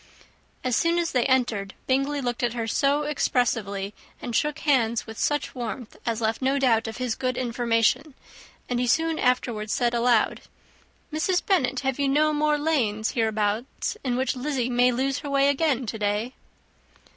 As soon as they entered, Bingley looked at her so expressively, and shook hands with such warmth, as left no doubt of his good information; and he soon afterwards said aloud, "Mrs. Bennet, have you no more lanes hereabouts in which Lizzy may lose her way again to day?"